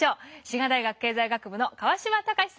滋賀大学経済学部の川島隆さんです。